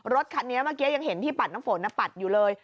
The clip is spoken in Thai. รถคันนี้เมื่อกี้ยังเห็นที่ปัดน้ำฝนปัดอยู่เลย